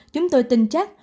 chúng tôi tin chắc